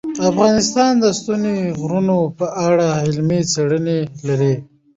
افغانستان د ستوني غرونه په اړه علمي څېړنې لري.